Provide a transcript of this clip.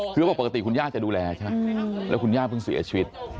เรื่อยว่าปกติคุณญ่างจะดูแลใช่มั้ยแล้วคุณญ่างเพิ่งเสียชีวิต